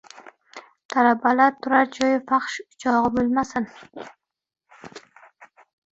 Talabalar turar joyi fahsh o‘chog‘i bo‘lmasin!